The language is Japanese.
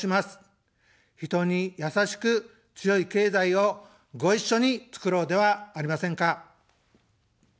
人に「やさしく強い経済」をご一緒につくろうではありませんか。